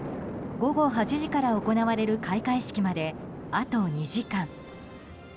午後８時から行われる開会式まで、あと２時間。